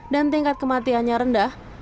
dan tingkat kematiannya rendah